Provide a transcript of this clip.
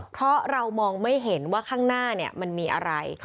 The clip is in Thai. เพราะเรามองไม่เห็นว่าข้างหน้ามันมีอะไร